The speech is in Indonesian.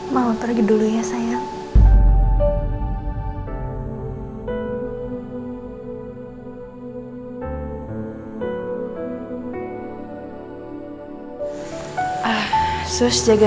mama pergi dulu ya sayang